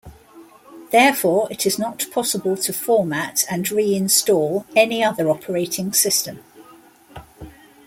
Therefore, it is not possible to format and re-install any other operating system.